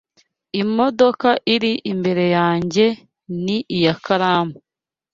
Imodoka iri imbere yanjye ni iya Karam.